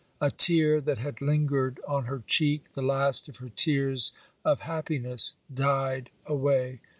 A tear that had lingered on her cheek, the last of her tears of happiness, died away.